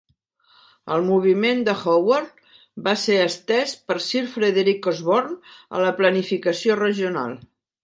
El moviment de Howard va ser estès per Sir Frederic Osborn a la planificació regional.